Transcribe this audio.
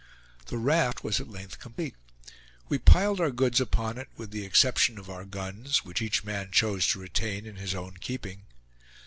The raft was at length complete. We piled our goods upon it, with the exception of our guns, which each man chose to retain in his own keeping.